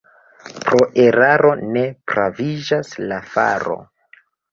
Pro eraro ne praviĝas la faro.